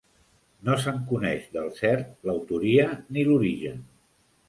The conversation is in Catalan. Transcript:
No se'n coneix del cert l'autoria ni l'origen.